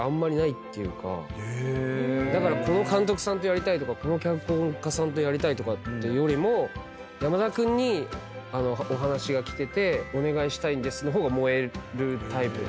だからこの監督さんとやりたいとかこの脚本家さんとやりたいとかってよりも「山田君にお話が来ててお願いしたいんです」の方が燃えるタイプで。